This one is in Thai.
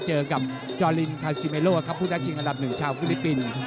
เจอกับจอลินคาซิเมโลครับผู้ท้าชิงอันดับหนึ่งชาวฟิลิปปินส์